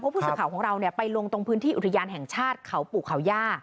ผู้สื่อข่าวของเราไปลงตรงพื้นที่อุทยานแห่งชาติเขาปู่เขาย่า